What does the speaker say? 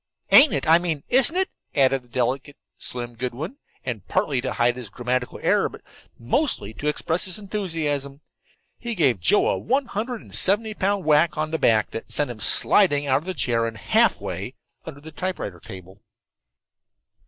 "Ain't it I mean isn't it?" added the delicate Slim Goodwin, and, partly to hide his grammatical error, but mostly to express his enthusiasm, he gave Joe a one hundred and seventy pound whack on the back that sent him sliding out of the chair and half way under the typewriter table.